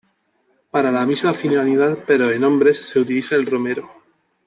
Para la misma finalidad, pero en hombres, se utiliza el romero.